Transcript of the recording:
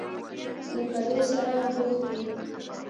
له پردیو سره بوخت وي.